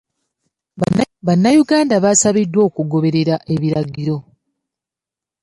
Bannayuganda baasabiddwa okugoberera ebiragiro.